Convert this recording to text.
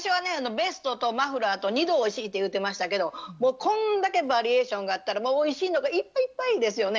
ベストとマフラーと２度おいしいって言うてましたけどこんだけバリエーションがあったらおいしいのがいっぱいいっぱいですよね。